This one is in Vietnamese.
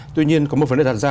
tuy nhiên có một vấn đề đặt ra